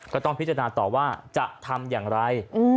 ก็ต้องพิจารณาต่อว่าจะทำอย่างไร